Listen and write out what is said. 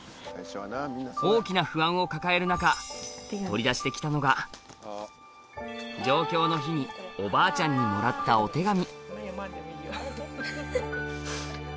大きな不安を抱える中上京の日におばあちゃんにもらったお手紙